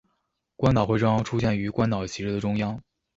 关岛徽章出现于关岛旗帜的中央。